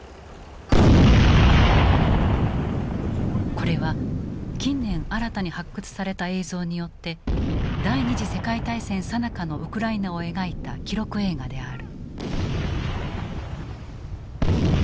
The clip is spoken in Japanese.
これは近年新たに発掘された映像によって第二次大戦さなかのウクライナを描いた記録映画である。